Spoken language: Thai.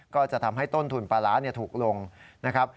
ก็จะทำให้ต้นทุนปลาร้าถูกลงนะครับ